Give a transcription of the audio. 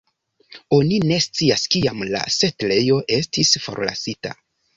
Oni ne scias kiam la setlejo estis forlasita.